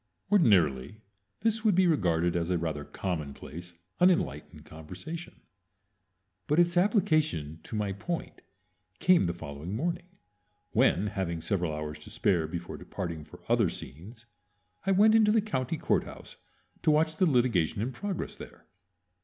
Ordinarily this would be regarded as a rather commonplace, unenlightened conversation; but its application to my point came the following morning, when, having several hours to spare before departing for other scenes, I went into the county courthouse to watch the litigation in progress there.